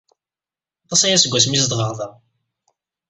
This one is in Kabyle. Aṭas aya seg wasmi ay zedɣeɣ da.